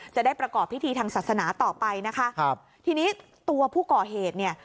จะได้ประกอบพิธีทางศาสนาต่อไปนะคะครับทีนี้ตัวผู้ก่อเหตุเนี่ย